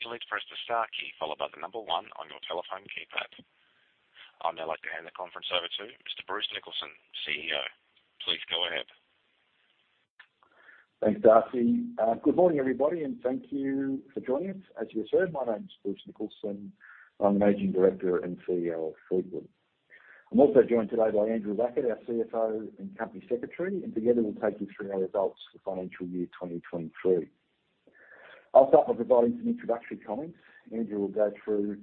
You'll need to press the star key followed by the number one on your telephone keypad. I'd now like to hand the conference over to Mr. Bruce Nicholson, CEO. Please go ahead. Thanks, Darcy. Good morning, everybody, and thank you for joining us. As you heard, my name is Bruce Nicholson. I'm the Managing Director and CEO of Fleetwood. I'm also joined today by Andrew Wackett, our CFO and Company Secretary, and together we'll take you through our results for FY 2023. I'll start by providing some introductory comments. Andrew will go through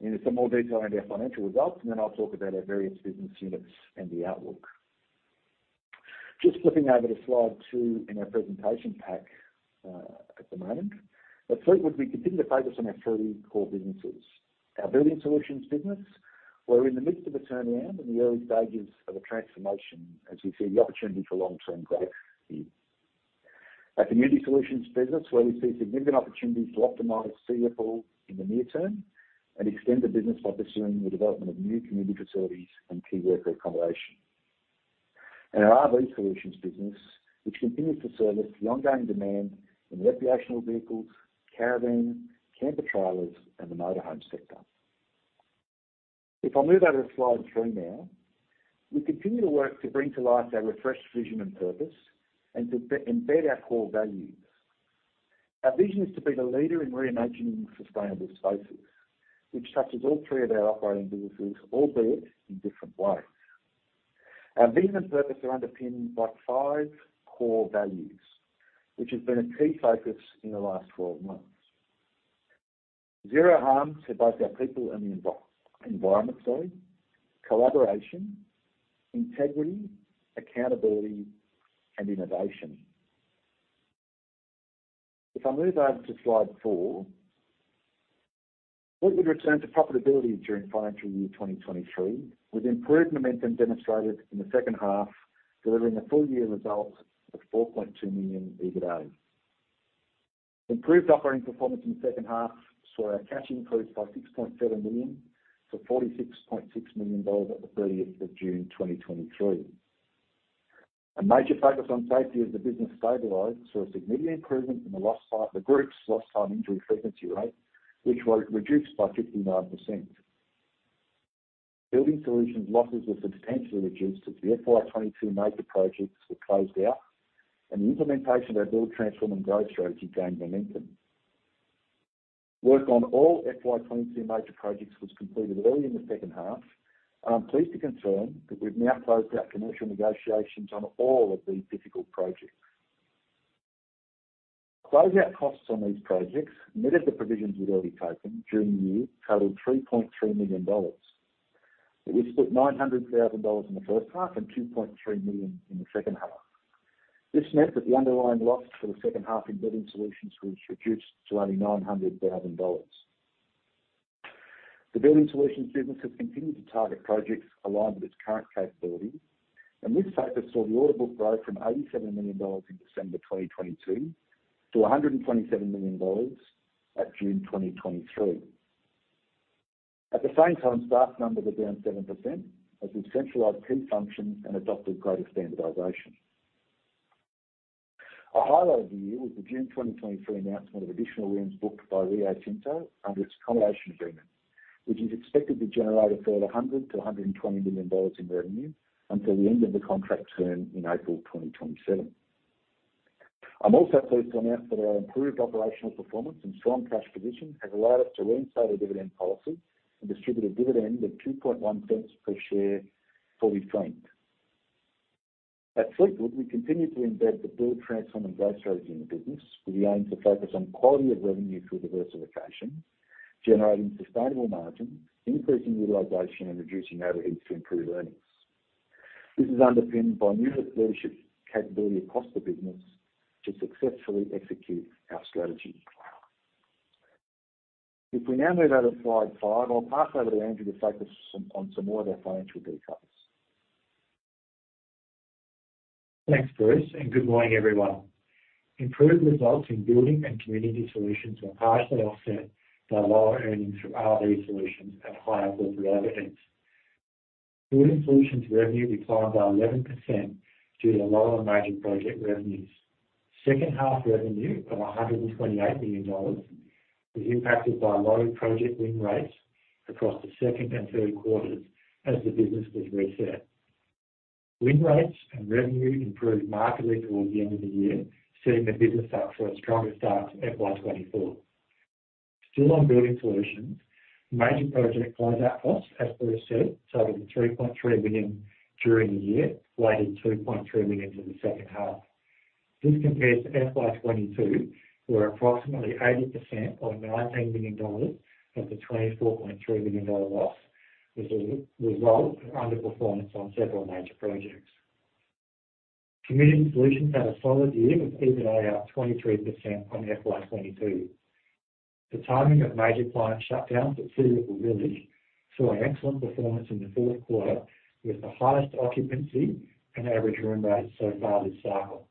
into some more detail into our financial results, and then I'll talk about our various business units and the outlook. Just flipping over to slide two in our presentation pack, at the moment, at Fleetwood, we continue to focus on our three core businesses. Our Building Solutions business, we're in the midst of a turnaround in the early stages of a transformation as we see the opportunity for long-term growth. Our Community Solutions business, where we see significant opportunities to optimize Searipple in the near term and extend the business by pursuing the development of new community facilities and key worker accommodation. Our RV Solutions business, which continues to service the ongoing demand in recreational vehicles, caravans, camper trailers, and the motor home sector. If I move over to slide three now, we continue to work to bring to life our refreshed vision and purpose, and to embed our core values. Our vision is to be the leader in reimagining sustainable spaces, which touches all three of our operating businesses, albeit in different ways. Our vision and purpose are underpinned by five core values, which has been a key focus in the last twelve months. Zero harm to both our people and the environment, sorry, collaboration, integrity, accountability, and innovation. If I move over to slide four, Fleetwood returned to profitability during FY 2023, with improved momentum demonstrated in the H2, delivering a full-year result of 4.2 million EBITDA. Improved operating performance in the H2 saw our cash improved by 6.7 million to 46.6 million dollars at the 30th of June 2023. A major focus on safety as the business stabilized, saw a significant improvement in the lost time, the group's lost time injury frequency rate, which was reduced by 59%. Building Solutions losses were substantially reduced as the FY 2022 major projects were closed out, and the implementation of our build, transform, and growth strategy gained momentum. Work on all FY 2022 major projects was completed early in the H2. I'm pleased to confirm that we've now closed out commercial negotiations on all of these difficult projects. Close out costs on these projects, and many of the provisions we'd already taken during the year totaled 3.3 million dollars. We split 900,000 dollars in the H1 and 2.3 million in the H2. This meant that the underlying loss for the H2 in Building Solutions was reduced to only 900,000 dollars. The Building Solutions business has continued to target projects aligned with its current capability, and this focus saw the order book grow from 87 million dollars in December 2022 to 127 million dollars at June 2023. At the same time, staff numbers are down 7%, as we've centralized key functions and adopted greater standardization. A highlight of the year was the June 2023 announcement of additional rooms booked by Rio Tinto under its accommodation agreement, which is expected to generate a further 100-120 million dollars in revenue until the end of the contract term in April 2027. I'm also pleased to announce that our improved operational performance and strong cash position has allowed us to reinstate our dividend policy and distribute a dividend of 0.021 per share for Uncertain. At Fleetwood, we continue to embed the build, transform, and growth strategy in the business with the aim to focus on quality of revenue through diversification, generating sustainable margins, increasing utilization, and reducing overheads to improve earnings. This is underpinned by new leadership capability across the business to successfully execute our strategy. If we now move over to slide five, I'll pass over to Andrew to focus on some more of our financial details. Thanks, Bruce, and good morning, everyone. Improved results in Building and Community Solutions were partially offset by lower earnings from RV Solutions and higher corporate overheads. Building Solutions revenue declined by 11% due to lower major project revenues. Second half revenue of 128 million dollars was impacted by lower project win rates across the second and third quarters as the business was reset. Win rates and revenue improved markedly towards the end of the year, setting the business up for a stronger start to FY 2024. Still on Building Solutions, major project close out costs, as Bruce said, totaling 3.3 million during the year, weighted 2.3 million in the H2. This compares to FY 2022, where approximately 80% of 19 million dollars of the 24.3 million dollar loss was a result of underperformance on several major projects. Community Solutions had a solid year, with EBITDA up 23% on FY 2022. The timing of major client shutdowns at Searipple Village saw an excellent performance in the Q4, with the highest occupancy and average room rates so far this cycle.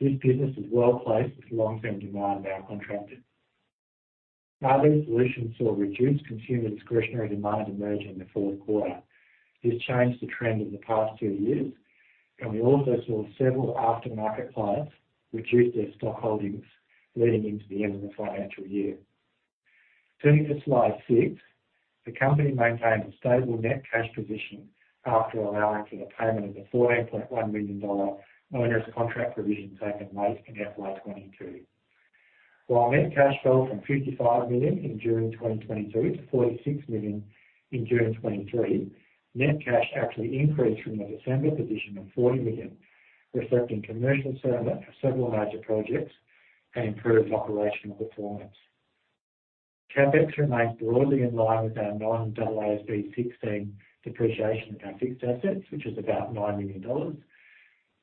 This business is well-placed with long-term demand now contracted. RV Solutions saw reduced consumer discretionary demand emerge in the Q4. This changed the trend of the past two years and we also saw several aftermarket clients reduce their stock holdings leading into the end of the FY. Turning to slide six, the company maintained a stable net cash position after allowing for the payment of the 14.1 million dollar miners' contract provision made in FY 2022. While net cash fell from 55 million in June 2022 to 46 million in June 2023, net cash actually increased from the December position of 40 million, reflecting commercial settlement for several major projects and improved operational performance. CapEx remains broadly in line with our non-IFRS AASB 16 depreciation of our fixed assets, which is about 9 million dollars.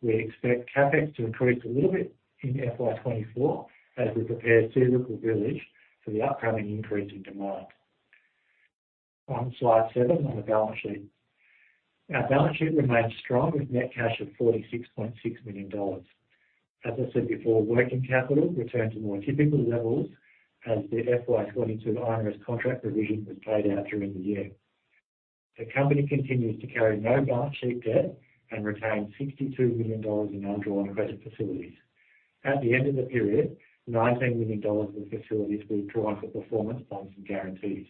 We expect CapEx to increase a little bit in FY 2024 as we prepare suitable village for the upcoming increase in demand. On slide seven, on the balance sheet. Our balance sheet remains strong, with net cash of 46.6 million dollars. As I said before, working capital returned to more typical levels as the FY 2022 IRS contract provision was paid out during the year. The company continues to carry no balance sheet debt and retains 62 million dollars in undrawn credit facilities. At the end of the period, 19 million dollars of the facilities were drawn for performance bonds and guarantees.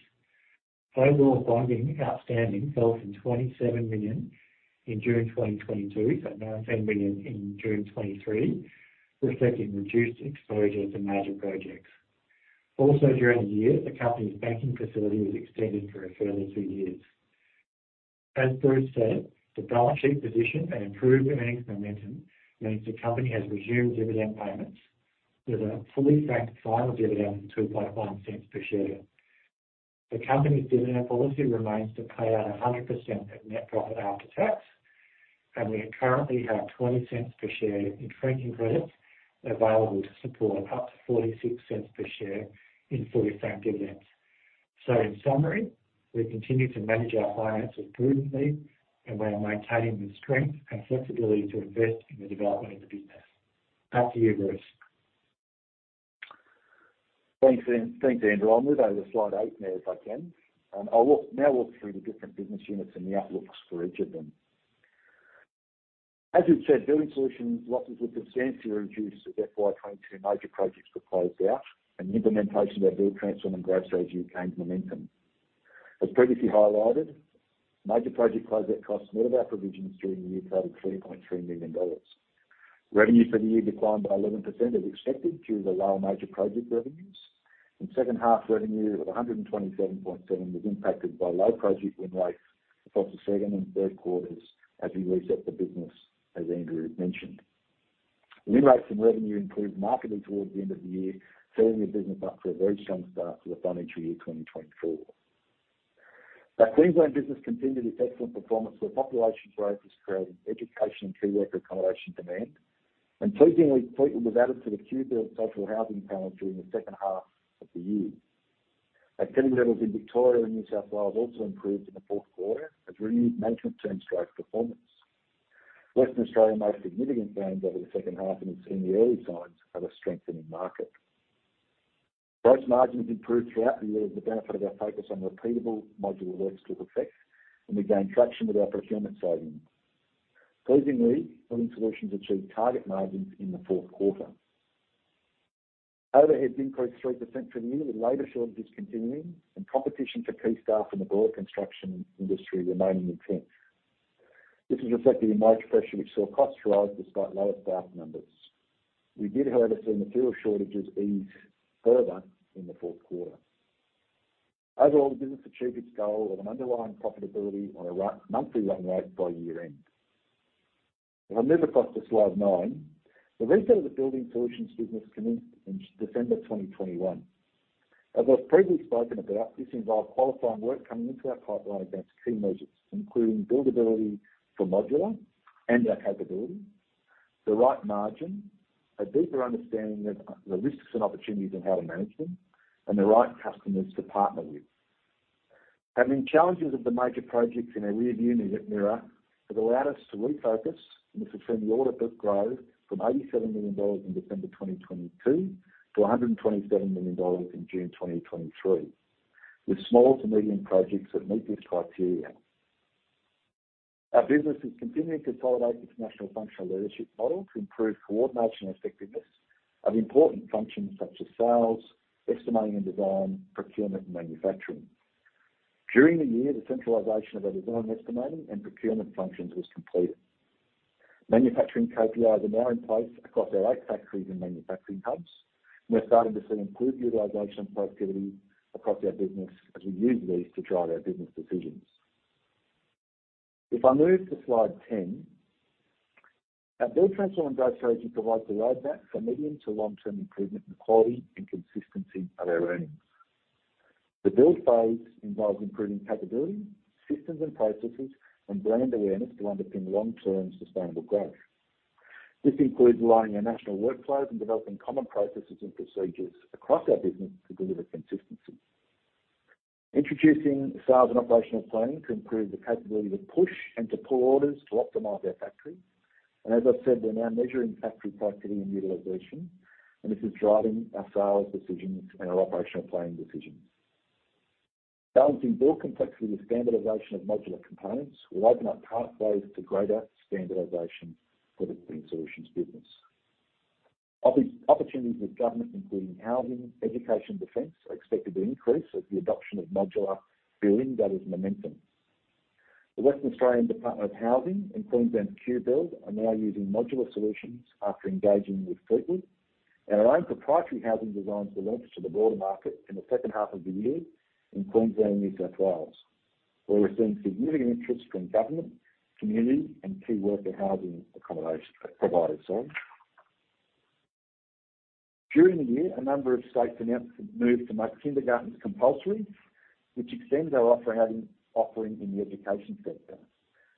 Overall, bonding outstanding fell from 27 million in June 2022 to 19 million in June 2023, reflecting reduced exposure to major projects. Also, during the year, the company's banking facility was extended for a further two years. As Bruce said, the balance sheet position and improved earnings momentum means the company has resumed dividend payments with a fully franked final dividend of 0.021 per share. The company's dividend policy remains to pay out 100% of net profit after tax, and we currently have 0.20 per share in franking credits available to support up to 0.46 per share in fully franked dividends. In summary, we continue to manage our finances prudently, and we are maintaining the strength and flexibility to invest in the development of the business. Back to you, Bruce. Thanks, thanks, Andrew. I'll move over to slide eight now, if I can, and I'll now walk through the different business units and the outlooks for each of them. As you've said, Building Solutions losses were substantially reduced as FY 2022 major projects were closed out and the implementation of our build transform and growth strategy gained momentum. As previously highlighted, major project close out costs, and all of our provisions during the year totaled 13.3 million dollars. Revenue for the year declined by 11% as expected, due to the lower major project revenues, and H2 revenue of 127.7 million was impacted by low project win rates across the second and third quarters as we reset the business, as Andrew mentioned. Win rates and revenue improved markedly towards the end of the year, setting the business up for a very strong start to the FY, 2024. Our Queensland business continued its excellent performance, where population growth is creating education and key worker accommodation demand, and pleasingly, Fleetwood was added to the QBuild social housing panel during the H2 of the year. Activity levels in Victoria and New South Wales also improved in the Q4 as renewed management turned growth performance. Western Australia made significant gains over the H2, and it's seeing the early signs of a strengthening market. Gross margins improved throughout the year as the benefit of our focus on repeatable modular works took effect, and we gained traction with our procurement savings. Pleasingly, Building Solutions achieved target margins in the Q4. Overheads increased 3% for the year, with labor shortages continuing and competition for key staff in the broader construction industry remaining intense. This is reflected in market pressure, which saw costs rise despite lower staff numbers. We did, however, see material shortages ease further in the Q4. Overall, the business achieved its goal of an underlying profitability on a run, monthly run rate by year-end. If I move across to slide nine, the reset of the Building Solutions business commenced in December 2021. As I've previously spoken about, this involved qualifying work coming into our pipeline against key measures, including buildability for modular and our capability, the right margin, a deeper understanding of the risks and opportunities and how to manage them, and the right customers to partner with. Having challenges of the major projects in our rearview mirror has allowed us to refocus, and this has seen the order book grow from 87 million dollars in December 2022 to 127 million dollars in June 2023, with small to medium projects that meet this criteria. Our business is continuing to consolidate its national functional leadership model to improve coordination and effectiveness of important functions such as sales, estimating and design, procurement, and manufacturing. During the year, the centralization of our design, estimating, and procurement functions was completed. Manufacturing KPIs are now in place across our eight factories and manufacturing hubs, and we're starting to see improved utilization and productivity across our business as we use these to drive our business decisions. If I move to slide 10, our build transform and growth strategy provides the roadmap for medium- to long-term improvement in the quality and consistency of our earnings. The build phase involves improving capability, systems and processes, and brand awareness to underpin long-term sustainable growth. This includes aligning our national workflows and developing common processes and procedures across our business to deliver consistency, introducing sales and operational planning to improve the capability to push and to pull orders to optimize our factories, and as I've said, we're now measuring factory capacity and utilization, and this is driving our sales decisions and our operational planning decisions. Balancing build complexity with standardization of modular components will open up pathways to greater standardization for the Building Solutions business. Opportunities with government, including housing, education, defense, are expected to increase as the adoption of modular building gathers momentum. The Western Australian Department of Housing and Queensland QBuild are now using modular solutions after engaging with Fleetwood, and our own proprietary housing designs will launch to the broader market in the H2 of the year in Queensland and New South Wales. We're receiving significant interest from government, community, and key worker housing accommodation providers on. During the year, a number of states announced a move to make kindergartens compulsory, which extends our offering in the education sector,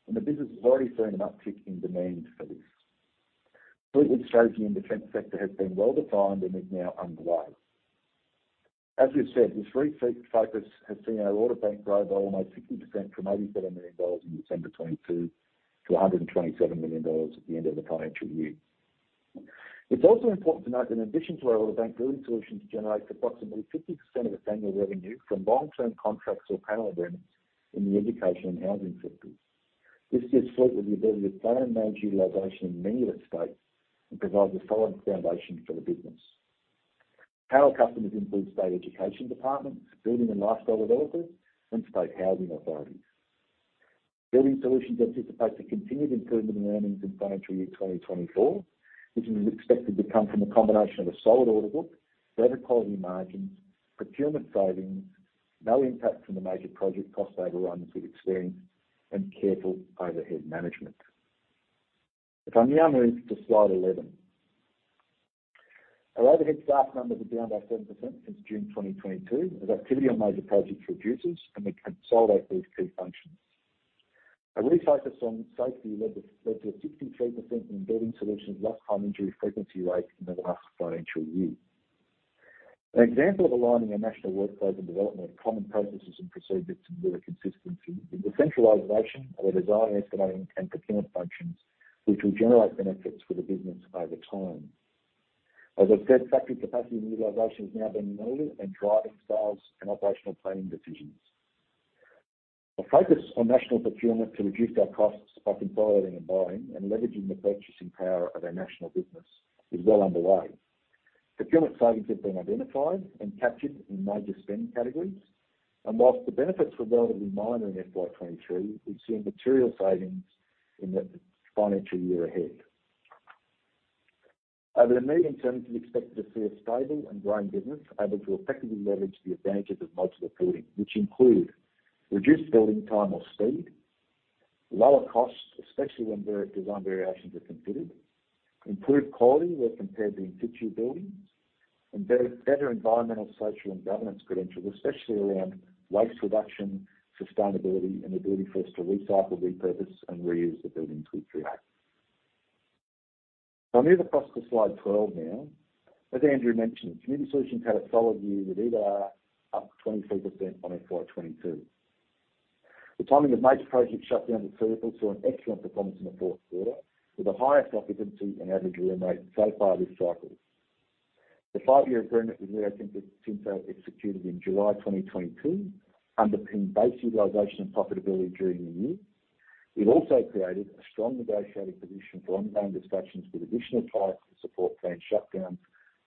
and the business has already seen an uptick in demand for this. Fleetwood's strategy in the defense sector has been well-defined and is now underway. As we've said, this refocused focus has seen our order bank grow by almost 60% from 87 million dollars in December 2022 to 127 million dollars at the end of the FY. It's also important to note that in addition to our order bank, Building Solutions generates approximately 50% of its annual revenue from long-term contracts or panel agreements in the education and housing sectors. This gives Fleetwood the ability to plan and manage utilization in many of its states and provides a solid foundation for the business. Our customers include state education departments, building and lifestyle developers, and state housing authorities. Building Solutions anticipates a continued improvement in earnings in FY 2024, which is expected to come from a combination of a solid order book, better quality margins, procurement savings, no impact from the major project cost overruns we've experienced, and careful overhead management. If I now move to slide 11. Our overhead staff numbers are down by 7% since June 2022, as activity on major projects reduces, and we consolidate these key functions. A refocus on safety led to a 63% in Building Solutions' lost time injury frequency rate in the last FY. An example of aligning our national workforce and development of common processes and procedures to build a consistency is the centralization of our design, estimating, and procurement functions, which will generate benefits for the business over time. As I've said, factory capacity and utilization is now being modeled and driving sales and operational planning decisions. A focus on national procurement to reduce our costs by consolidating and buying and leveraging the purchasing power of our national business is well underway. Procurement savings have been identified and captured in major spend categories, and while the benefits were relatively minor in FY 2023, we've seen material savings in the FY ahead. Over the medium term, we expect to see a stable and growing business able to effectively leverage the advantages of modular building, which include: reduced building time or speed, lower costs, especially when various design variations are considered, improved quality when compared to in situ buildings, and better environmental, social, and governance credentials, especially around waste reduction, sustainability, and the ability for us to recycle, repurpose, and reuse the buildings we create. I'll move across to slide 12 now. As Andrew mentioned, Community Solutions had a solid year, with EBITDA up 23% on FY 2022. The timing of major project shutdowns in Circle saw an excellent performance in the Q4, with the highest occupancy and average room rate so far this cycle. The five-year agreement with Rio Tinto, executed in July 2022, underpinned base utilization and profitability during the year. It also created a strong negotiating position for ongoing discussions with additional clients to support planned shutdowns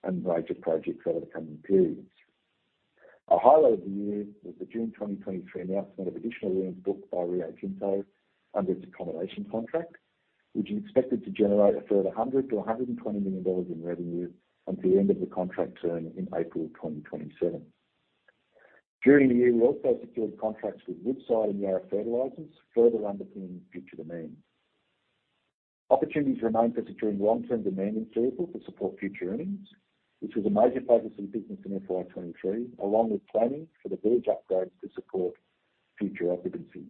and major projects over the coming periods. A highlight of the year was the June 2023 announcement of additional rooms booked by Rio Tinto under its accommodation contract, which is expected to generate a further 100 million-120 million dollars in revenue until the end of the contract term in April 2027. During the year, we also secured contracts with Woodside and Yara Pilbara, further underpinning future demand. Opportunities remain for securing long-term demand in Searipple to support future earnings, which was a major focus of the business in FY 2023, along with planning for the village upgrades to support future occupancy.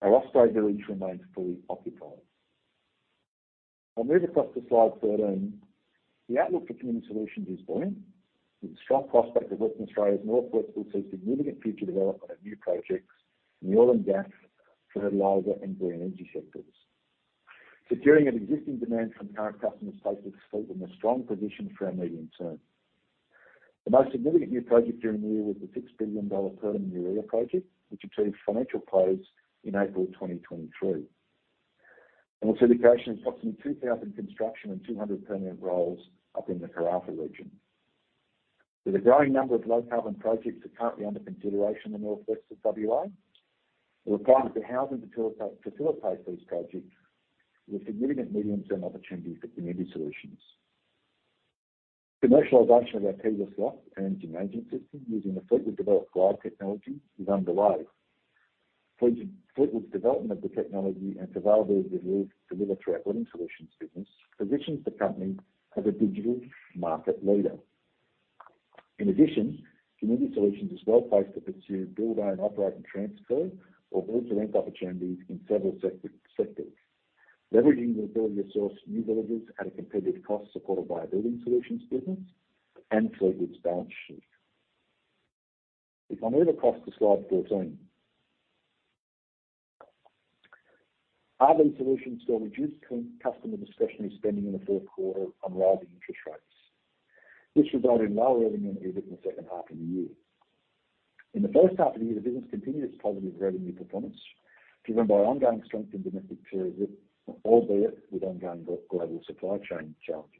Our Searipple Village remains fully occupied. I'll move across to slide 13. The outlook for Community Solutions is bright, with a strong prospect that Western Australia's northwestern will see significant future development of new projects in the oil and gas, fertilizer, and green energy sectors. Securing an existing demand from current customers places Fleetwood in a strong position for our medium term. The most significant new project during the year was the $6 billion Perdaman Urea project, which achieved financial close in April 2023, and will see the creation of approximately 2,000 construction and 200 permanent roles up in the Karratha region. There's a growing number of low-carbon projects that are currently under consideration in the northwest of WA. The requirements for housing to populate these projects with significant medium-term opportunities for Community Solutions. Commercialization of our uncertain energy management system, using the Fleetwood-developed drive technology, is underway. Fleetwood, Fleetwood's development of the technology and availability to deliver, deliver through our Building Solutions business, positions the company as a digital market leader. In addition, Community Solutions is well-placed to pursue build-own, operate, and transfer or build-to-rent opportunities in several sectors, leveraging the ability to source new villages at a competitive cost, supported by our Building Solutions business and Fleetwood's balance sheet. If I move across to slide 14... RV Solutions saw reduced customer discretionary spending in the Q4 on rising interest rates. This resulted in lower revenue EBITDA in the H2 of the year. In the H1 of the year, the business continued its positive revenue performance, driven by ongoing strength in domestic tourism, albeit with ongoing global supply chain challenges.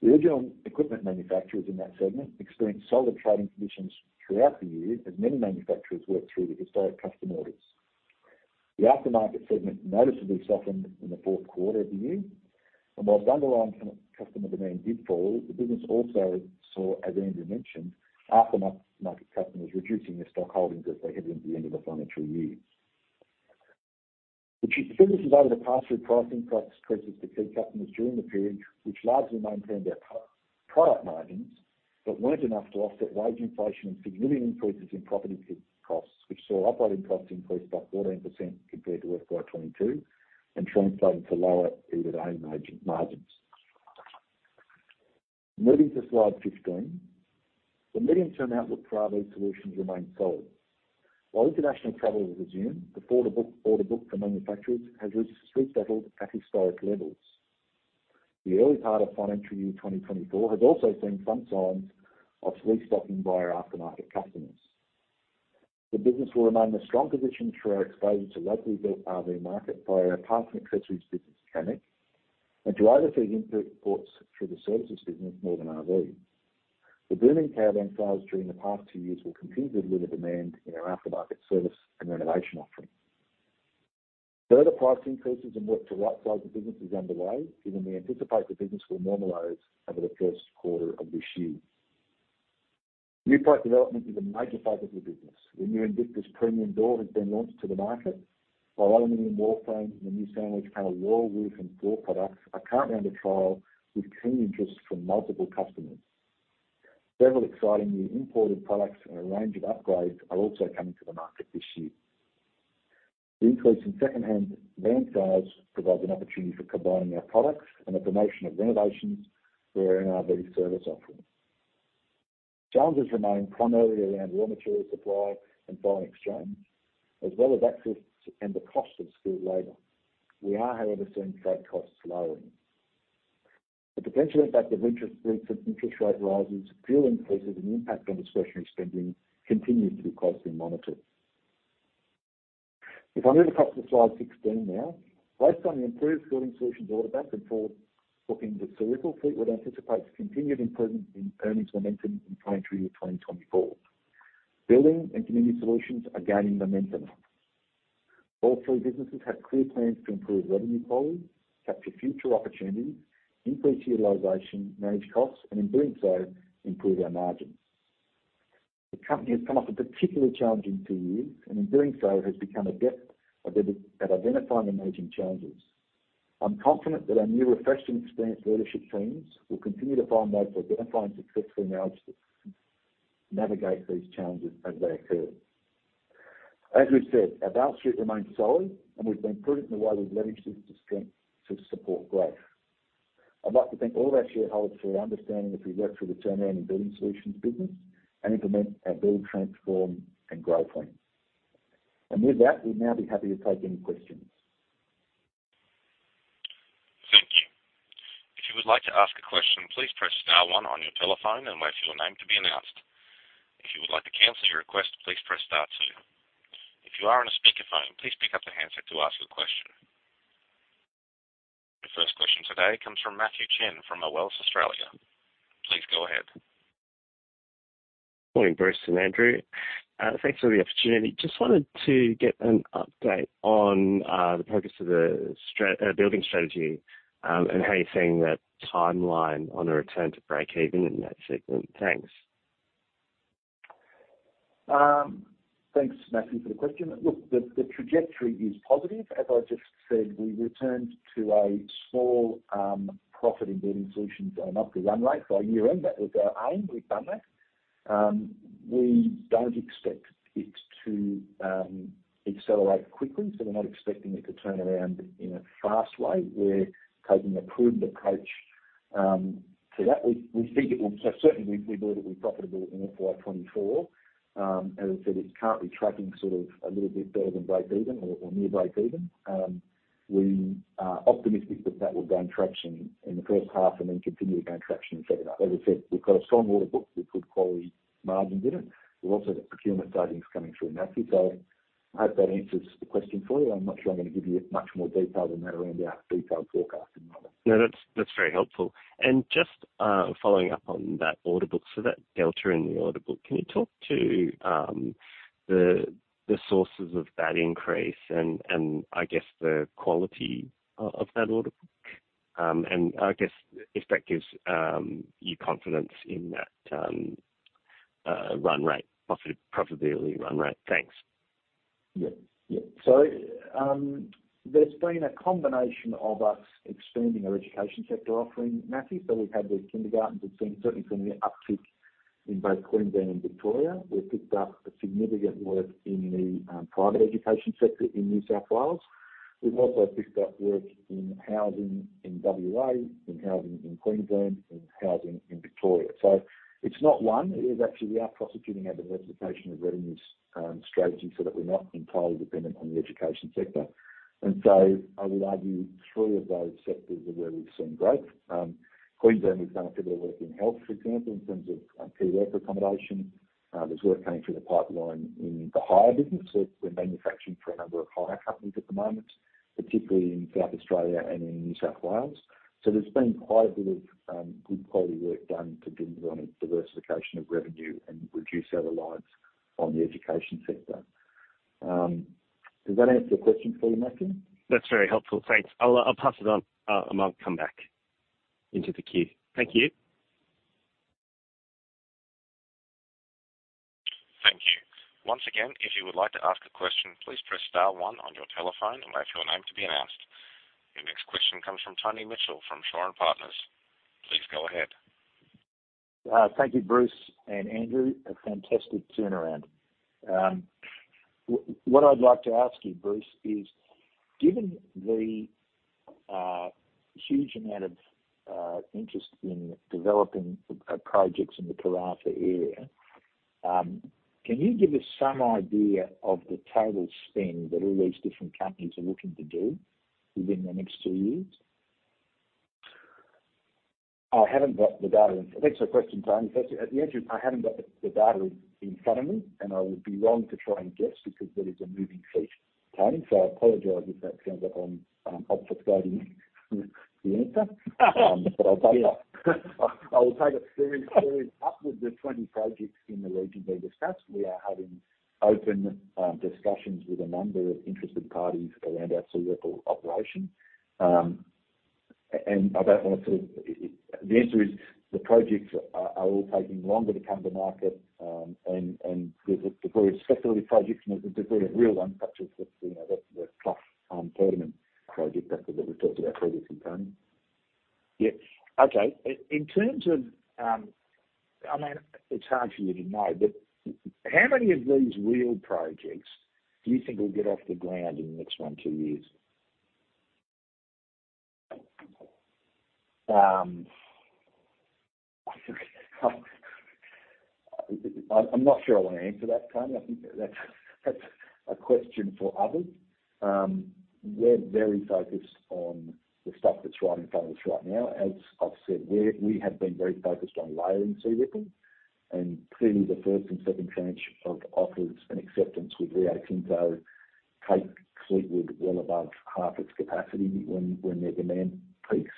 The original equipment manufacturers in that segment experienced solid trading conditions throughout the year, as many manufacturers worked through the historic customer orders. The aftermarket segment noticeably softened in the Q4 of the year, and while underlying customer demand did fall, the business also saw, as Andrew mentioned, aftermarket market customers reducing their stock holdings as they head into the end of the FY. The business adopted a pass-through pricing practice strategy to key customers during the period, which largely maintained their product margins, but weren't enough to offset wage inflation and significant increases in property costs, which saw operating costs increase by 14% compared to FY 2022 and translated to lower EBITDA margins. Moving to slide 15. The medium-term outlook for RV Solutions remains solid. While international travel has resumed, the order book for manufacturers has resettled at historic levels. The early part of FY 2024 has also seen some signs of restocking by our aftermarket customers. The business will remain in a strong position through our exposure to locally built RV market by our parts and accessories business, Camec, and to overflow in support through the services business, Northern RV. The booming caravan sales during the past two years will continue to deliver demand in our aftermarket service and renovation offering. Further price increases and work to right-size the business is underway, given we anticipate the business will normalize over the Q1 of this year. New product development is a major focus of the business. The new Invictus premium door has been launched to the market, while aluminum wall frames and the new sandwich panel, wall, roof, and door products are currently under trial with keen interest from multiple customers. Several exciting new imported products and a range of upgrades are also coming to the market this year. The increase in secondhand van sales provides an opportunity for combining our products and the promotion of renovations for our NRV service offering. Challenges remain primarily around raw material supply and foreign exchange, as well as access and the cost of skilled labor. We are, however, seeing freight costs lowering. The potential impact of interest rates and interest rate rises, fuel increases and the impact on discretionary spending continues to be closely monitored. If I move across to slide 16 now. Based on the improved Building Solutions order backlog and bookings, we would anticipate a continued improvement in earnings momentum in FY 2024. Building and Community Solutions are gaining momentum. All three businesses have clear plans to improve revenue quality, capture future opportunities, increase utilization, manage costs, and in doing so, improve our margins. The company has come off a particularly challenging two years, and in doing so, has become adept at identifying emerging challenges. I'm confident that our new refreshed and experienced leadership teams will continue to find ways to identify and successfully navigate these challenges as they occur. As we've said, our balance sheet remains solid, and we've been prudent in the way we've leveraged this strength to support growth. I'd like to thank all of our shareholders for your understanding as we work through the turnaround in Building Solutions business and implement our build, transform, and grow plans. With that, we'd now be happy to take any questions. Thank you. If you would like to ask a question, please press star one on your telephone and wait for your name to be announced. If you would like to cancel your request, please press star two. If you are on a speakerphone, please pick up the handset to ask your question. The first question today comes from Matthew Chen from Wells Australia. Please go ahead. Morning, Bruce and Andrew. Thanks for the opportunity. Just wanted to get an update on the progress of the building strategy, and how you're seeing that timeline on a return to break even in that segment. Thanks. Thanks, Matthew, for the question. Look, the trajectory is positive. As I just said, we returned to a small profit in Building Solutions on an upfront rate by year-end. That was our aim. We've done that. We don't expect it to accelerate quickly, so we're not expecting it to turn around in a fast way. We're taking a prudent approach to that. We think it will. So certainly, we believe it'll be profitable in FY 2024. As I said, it's currently tracking sort of a little bit better than break even or near break even. We are optimistic that that will gain traction in the H1 and then continue to gain traction H2. As I said, we've got a strong order book with good quality margins in it. We've also got procurement savings coming through, Matthew, so I hope that answers the question for you. I'm not sure I'm going to give you much more detail than that around our detailed forecasting model. No, that's, that's very helpful. And just, following up on that order book, so that delta in the order book, can you talk to, the, the sources of that increase and, and I guess the quality of that order book? And I guess if that gives, you confidence in that, run rate, profitability run rate. Thanks. Yeah. Yeah. So, there's been a combination of us expanding our education sector offering, Matthew. So we've had the kindergartens, it's been certainly an uptick in both Queensland and Victoria. We've picked up significant work in the private education sector in New South Wales. We've also picked up work in housing in WA, in housing in Queensland, and housing in Victoria. So it's not one, it is actually, we are prosecuting our diversification of revenues strategy, so that we're not entirely dependent on the education sector. And so I would argue three of those sectors are where we've seen growth. Queensland, we've done a bit of work in health, for example, in terms of key worker accommodation. There's work coming through the pipeline in the hire business. We're manufacturing for a number of hire companies at the moment, particularly in South Australia and in New South Wales. There's been quite a bit of good quality work done to deliver on a diversification of revenue and reduce our reliance on the education sector. Does that answer your question for you, Matthew? That's very helpful. Thanks. I'll pass it on, and I'll come back into the queue. Thank you. Thank you. Once again, if you would like to ask a question, please press star one on your telephone and wait for your name to be announced. The next question comes from Tony Mitchell from Shoreham Partners. Please go ahead. Thank you, Bruce and Andrew. A fantastic turnaround. What I'd like to ask you, Bruce, is: given the huge amount of interest in developing projects in the Karratha area, can you give us some idea of the total spend that all these different companies are looking to do within the next two years? I haven't got the data. Thanks for the question, Tony. Actually, at the edge, I haven't got the data in front of me, and I would be wrong to try and guess because it is a moving feast, Tony. So I apologize if that sounds like I'm obfuscating the answer. But I'll take it. I will take it. There is upwards of 20 projects in the region being discussed. We are having open discussions with a number of interested parties around our Searipple operation. I don't want to sort of... The answer is, the projects are all taking longer to come to market, and there's very speculative projects, and there's very real ones, such as, you know, the Clough Perdaman project that we talked about previously, Tony. Yeah. Okay. In terms of, I mean, it's hard for you to know, but how many of these real projects do you think will get off the ground in the next one, two years? I'm not sure I want to answer that, Tony. I think that, that's, that's a question for others. We're very focused on the stuff that's right in front of us right now. As I've said, we have been very focused on layering Searipple, and clearly, the first and second tranche of offers and acceptance with Rio Tinto take Fleetwood well above half its capacity when their demand peaks.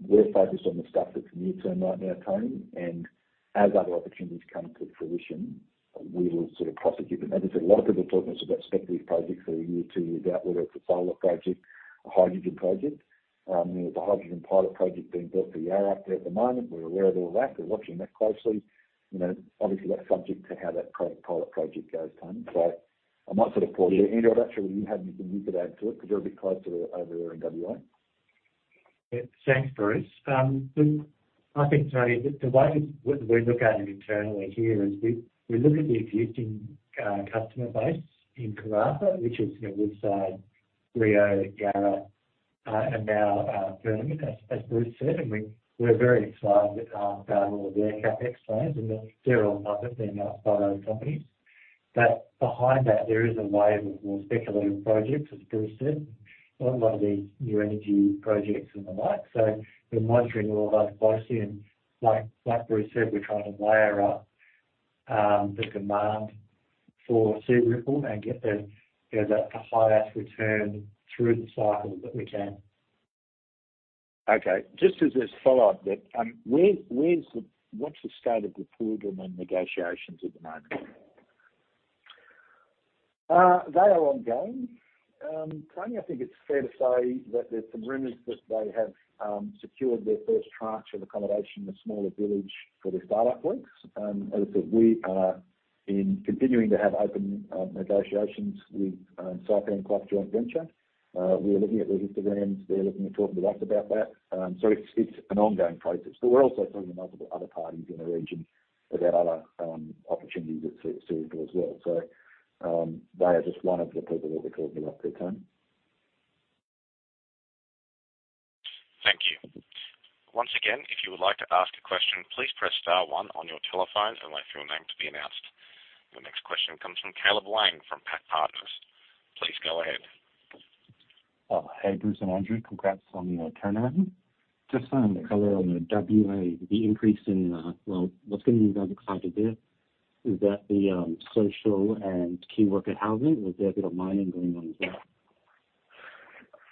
We're focused on the stuff that's near term right now, Tony, and as other opportunities come to fruition, we will sort of prosecute them. As I said, a lot of people are talking to us about speculative projects for a year, two years out, whether it's a solar project, a hydrogen project. There's a hydrogen pilot project being built for Yara up there at the moment. We're aware of all that. We're watching that closely. You know, obviously, that's subject to how that pilot project goes, Tony. So I might sort of pause here. Andrew, I'm not sure whether you have anything you could add to it, because you're a bit closer over there in WA. Yeah. Thanks, Bruce. I think, Tony, the way we look at it internally here is we look at the existing customer base in Karratha, which is, you know, we'd say Rio, Yara, and now Perdaman, as Bruce said, and we're very excited about all of their CapEx plans, and there are others than our fellow companies. But behind that, there is a wave of more speculative projects, as Bruce said, a lot of these new energy projects and the like. So we're monitoring all of those closely, and like Bruce said, we're trying to layer up the demand for Searipple and get the, you know, the highest return through the cycle that we can. Okay, just as a follow-up then, where's the-- what's the state of the Perdaman negotiations at the moment? They are ongoing. Tony, I think it's fair to say that there's some rumors that they have secured their first tranche of accommodation, a smaller village, for their startup works. As I said, we are in continuing to have open negotiations with Saipem Clough joint venture. We're looking at their histograms. They're looking to talk to us about that. So it's an ongoing process, but we're also talking to multiple other parties in the region about other opportunities with Searipple as well. So they are just one of the people that we're talking about there, Tony. Thank you. Once again, if you would like to ask a question, please press star one on your telephones and wait for your name to be announced. The next question comes from Caleb Wang from Pac Partners. Please go ahead. Hey, Bruce and Andrew. Congrats on the turnaround. Just on the color on the WA, the increase in, well, what's getting you guys excited there? Is that the social and key worker housing, or is there a bit of mining going on as well?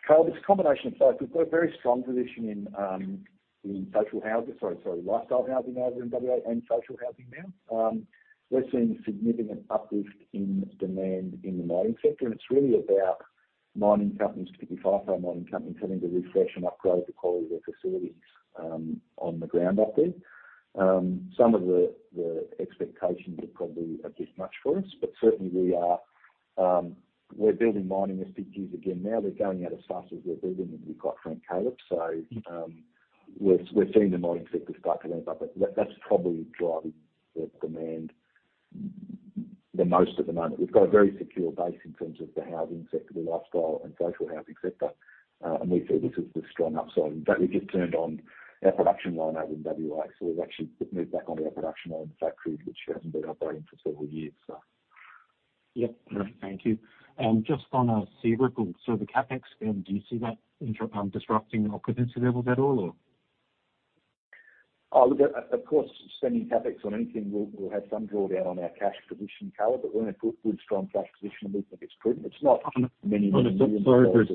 Caleb, it's a combination of both. We've got a very strong position in social housing. Sorry, sorry, lifestyle housing over in WA and social housing now. We're seeing significant uplift in demand in the mining sector, and it's really about mining companies, particularly FIFO mining companies, having to refresh and upgrade the quality of their facilities on the ground up there. Some of the expectations are probably a bit much for us, but certainly we are, we're building mining SPQs again now. They're going out as fast as we're building them. We've got Frank Calip, so, we're seeing the mining sector start to ramp up, but that's probably driving the demand the most at the moment. We've got a very secure base in terms of the housing sector, the lifestyle and social housing sector, and we see this as the strong upside. In fact, we've just turned on our production line over in WA, so we've actually moved back onto our production line in the factory, which hasn't been operating for several years, so. Yep. All right, thank you. Just on Searipple. So the CapEx, do you see that disrupting occupancy levels at all, or? Oh, look, of course, spending CapEx on anything will have some drawdown on our cash position cover, but we're in a good strong cash position to meet the commitment. It's not many- Sorry,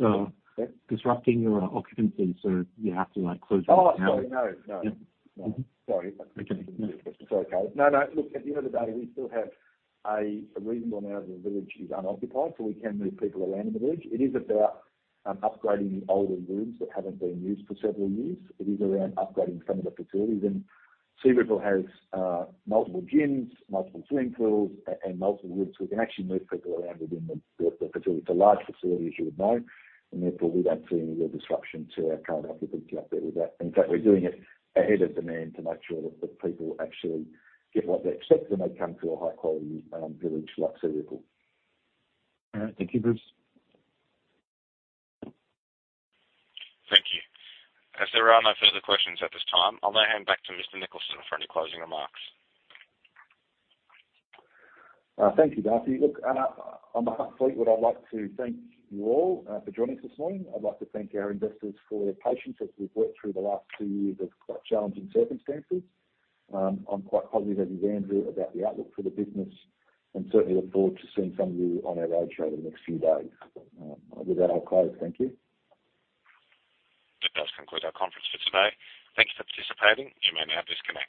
there's disrupting your occupancy, so you have to, like, close room down. Oh, sorry. No, no. Yeah. No. Mm-hmm. Sorry. Okay. It's okay. No, no. Look, at the end of the day, we still have a reasonable amount of the village is unoccupied, so we can move people around in the village. It is about upgrading the older rooms that haven't been used for several years. It is around upgrading some of the facilities, and Searipple has multiple gyms, multiple swimming pools, and multiple rooms. We can actually move people around within the facility. It's a large facility, as you would know, and therefore, we don't see any real disruption to our current occupancy out there with that. In fact, we're doing it ahead of demand to make sure that the people actually get what they expect when they come to a high quality village like Searipple. All right. Thank you, Bruce. Thank you. As there are no further questions at this time, I'll now hand back to Mr. Nicholson for any closing remarks. Thank you, Darcy. Look, on that sweet note, I'd like to thank you all for joining us this morning. I'd like to thank our investors for their patience as we've worked through the last two years of quite challenging circumstances. I'm quite positive with Andrew about the outlook for the business, and certainly look forward to seeing some of you on our roadshow in the next few days. With that, I'll close. Thank you. That does conclude our conference for today. Thank you for participating. You may now disconnect.